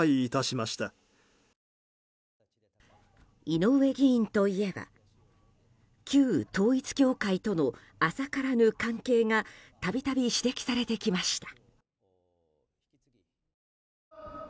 井上議員といえば旧統一教会との浅からぬ関係が度々、指摘されてきました。